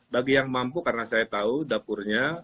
bagi yang mampu karena saya tahu dapurnya